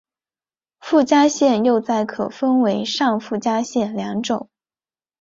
附加线又再可分为上附加线两种。